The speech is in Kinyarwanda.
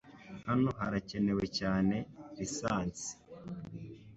Hano harakenewe cyane lisansi.